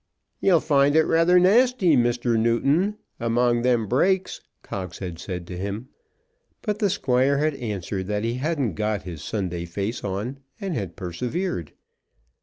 "You'll find it rather nasty, Mr. Newton, among them brakes," Cox had said to him. But the Squire had answered that he hadn't got his Sunday face on, and had persevered.